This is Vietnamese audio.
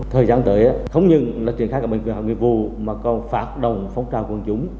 thời gian tới không những là truyền khai cả bệnh viện học nghiệp vụ mà còn phát đồng phóng trao quân chúng